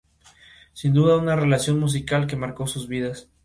Sin duda una relación musical que marco sus vidas.